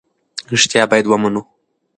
رښتیا باید ومنو.